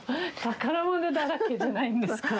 宝物だらけじゃないんですか？